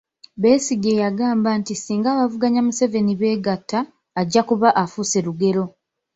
Besigye yagamba nti singa abavuganya Museveni beegatta, ajja kuba afuuse lugero